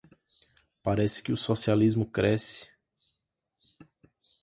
Parece que o socialismo cresce...